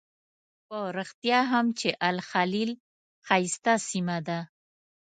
په رښتیا هم چې الخلیل ښایسته سیمه ده.